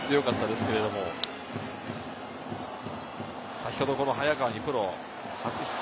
先ほどはプロ初ヒット。